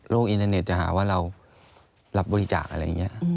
อินเทอร์เน็ตจะหาว่าเรารับบริจาคอะไรอย่างนี้